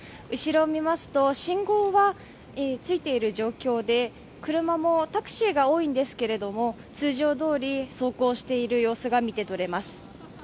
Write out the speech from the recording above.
後ろ見ますと信号はついている状況で、車もタクシーが多いんですけれども、通常通り走行している様子が見て取れます。